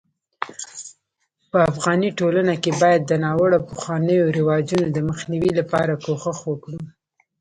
په افغاني ټولنه کي بايد د ناړوه پخوانيو رواجونو دمخ نيوي لپاره کوښښ وکړو